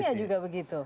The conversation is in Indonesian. value nya juga begitu